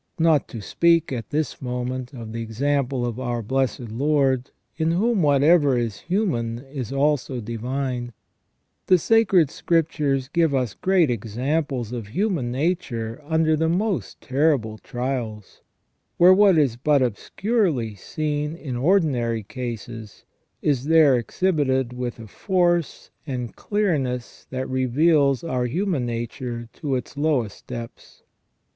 Not to speak at this moment of the example of our Blessed Lord, in whom what ever is human is also divine, the Sacred Scriptures give us great examples of human nature under the most terrible trials, where what is but obscurely seen in ordinary cases is there exhibited with a force and clearness that reveals our human nature to its lowest depths.